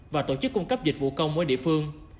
và tổ chức cung cấp dịch vụ công mỗi địa phương